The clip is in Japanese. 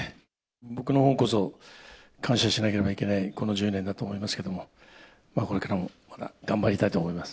僕のほうこそ、感謝しなければいけない、この１０年だと思いますけども、これからも頑張りたいと思います。